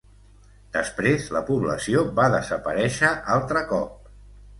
Després la població va desaparèixer altre cop.